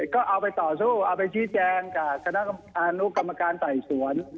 ก็เอาไปต่อสู้เอาไปชี้แจงกับคณะกรรมการไต่สวน